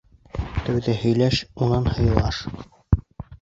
Тәүҙә һөйләш, унан һыйлаш.